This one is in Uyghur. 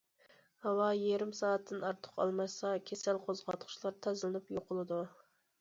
ھاۋا يېرىم سائەتتىن ئارتۇق ئالماشسا، كېسەل قوزغاتقۇچىلار تازىلىنىپ يوقىلىدۇ.